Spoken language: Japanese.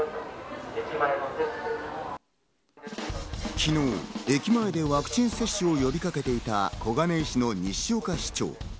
昨日、駅前でワクチン接種を呼びかけていた小金井市の西岡市長。